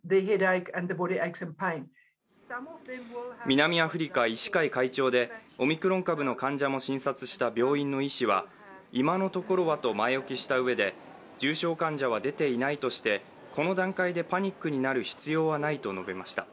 南アフリカ医師会会長でオミクロン株の患者も診察した病院の医師は今のところはと前置きしたうえで、重症患者は出ていないとしてこの段階で、パニックになる必要はないと述べました。